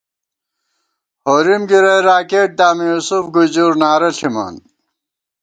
ہورِم گِرَئی راکېٹ دامی، یوسف گُجر نعرہ ݪِمان